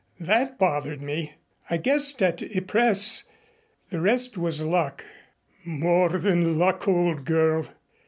That bothered me. I guessed at Ypres. The rest was luck." "More than luck, old girl.